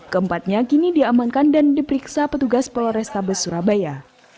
keempatnya kini diamankan dan diperiksa petugas polores tabes surabaya